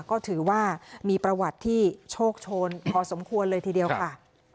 ก็ถือว่ามีประวัติที่โชคโชนพอสมควรเลยทีเดียวค่ะ